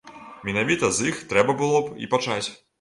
Менавіта з іх трэба было б і пачаць.